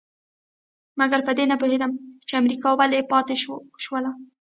مګر په دې نه پوهېده چې امريکايان ولې پاتې شول.